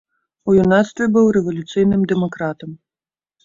У юнацтве быў рэвалюцыйным дэмакратам.